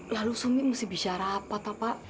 lalu sumi mesti bicara apa pak